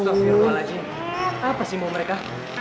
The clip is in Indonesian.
astaghfirullahaladzim apa sih mau mereka